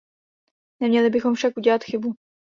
Neměli bychom však udělat chybu.